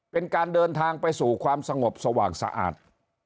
เป็นการเดินทางไปสู่ความสงบสว่างสะอาด